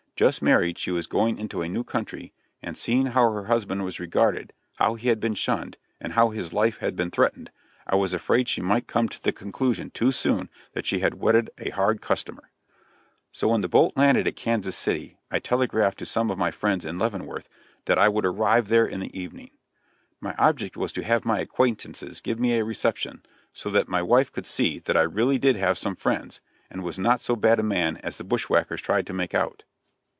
Just married, she was going into a new country, and seeing how her husband was regarded, how he had been shunned, and how his life had been threatened, I was afraid she might come to the conclusion too soon that she had wedded a "hard customer." So when the boat landed at Kansas City I telegraphed to some of my friends in Leavenworth that I would arrive there in the evening. My object was to have my acquaintances give me a reception, so that my wife could see that I really did have some friends, and was not so bad a man as the bushwhackers tried to make out.